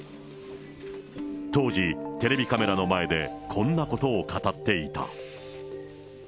当時、テレビカメラの前で、こんなことを語っていた。